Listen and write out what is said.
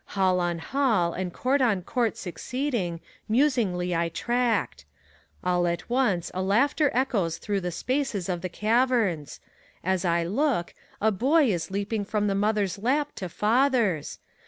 Hall on hall, and court on court succeeding, musingly I tracked. All at once a laughter echoes through the spaces of the caverns; As I look, a Boy is leaping from the mother'a lap to father's.